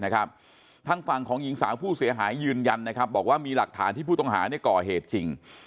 ทางฝั่งของหญิงสาวผู้เสียหายยืนยันนะครับบอกว่ามีหลักฐานที่ผู้ต้องหาก่อเหตุจริง